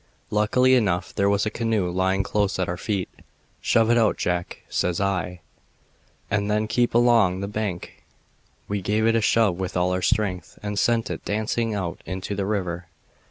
"Luckily enough there was a canoe lying close at our feet. 'Shove it out, Jack,' says I, 'and then keep along the bank.' We gave it a shove with all our strength and sent it dancing out into the river.